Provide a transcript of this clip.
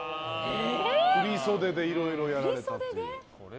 振り袖でいろいろやられたいると。